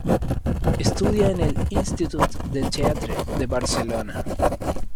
Estudia en el Institut del Teatre de Barcelona.